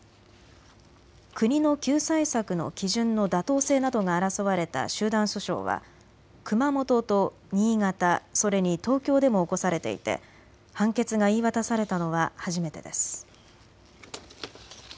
国の救済策の基準の妥当性などが争われた集団訴訟は熊本と新潟、それに東京でも起こされていて判決が言い渡されたのは初めてです。